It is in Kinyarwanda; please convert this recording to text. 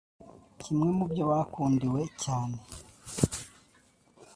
kimwe mu byo bakundiwe cyane